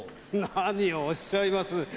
何をおっしゃいます。